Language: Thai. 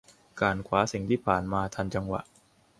การคว้าสิ่งที่ผ่านมาทันจังหวะ